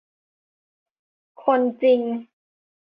คนจริง ?